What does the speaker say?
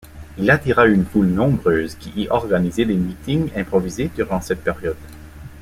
Il attira une foule nombreuse qui y organisait des meetings improvisés durant cette période.